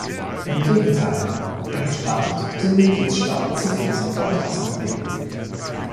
Im Gegenteil, er gestattet den Mitgliedstaaten zu viele Sonder- und Ausnahmeregelungen.